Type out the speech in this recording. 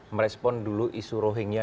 merespon dulu isu rohingya